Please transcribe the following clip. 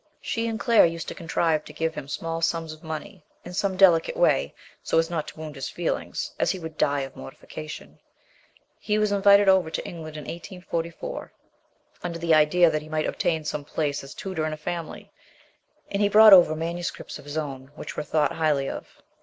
She and Claire used to contrive to give him small sums of money, in some delicate way, so as not to wound his feelings, as he would die of mortification. He was invited over to England in 1844, under the idea that he might LAST YUAES. 23 3 obtain some place as tutor in a family, and he brought over MSS. of his own, which were thought highly of.